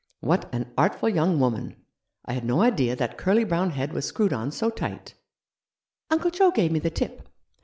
" What an artful young woman ! I had no idea that curly brown head was screwed on so tight." "Uncle Joe gave me the tip.